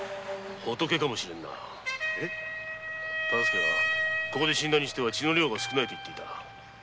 仏かも知れぬな忠相がここで死んだにしては血の量が少ないと言っていた。